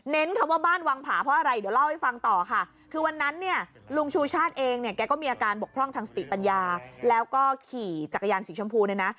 คำว่าบ้านวังผาเพราะอะไรเดี๋ยวเล่าให้ฟังต่อค่ะคือวันนั้นเนี่ยลุงชูชาติเองเนี่ยแกก็มีอาการบกพร่องทางสติปัญญาแล้วก็ขี่จักรยานสีชมพูเนี่ยนะ